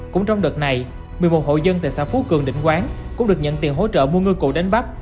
cũng trong đợt này một mươi một hộ dân tại xã phú cường định quán cũng được nhận tiền hỗ trợ mua ngư cụ đánh bắt